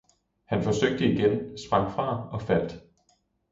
Han forsøgte igen, sprang fra og faldt.